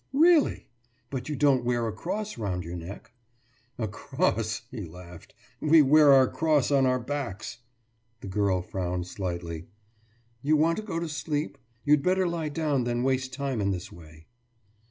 »Really? But you don't wear a cross round your neck.« »A cross!« he laughed. »We wear our cross on our backs.« The girl frowned slightly. »You want to go to sleep? You'd better lie down than waste time in this way.